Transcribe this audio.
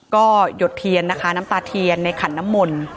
ก็หยดเทียนนะคะน้ำตาเทียนในขันน้ำมนต์